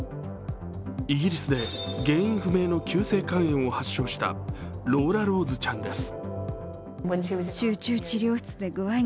イギリスで原因不明の急性肝炎を発症したローラローズちゃんです。